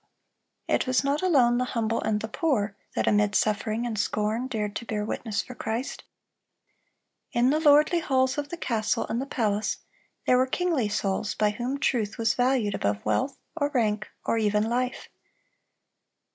It was not alone the humble and the poor, that amid suffering and scorn dared to bear witness for Christ. In the lordly halls of the castle and the palace, there were kingly souls by whom truth was valued above wealth or rank or even life.